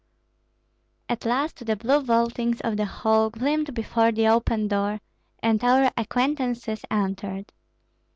At last the blue vaultings of the hall gleamed before the open door, and our acquaintances entered.